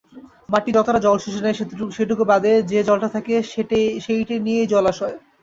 মাটি যতটা জল শুষে নেয় সেটুকু বাদে যে জলটা থাকে সেইটে নিয়েই জলাশয়।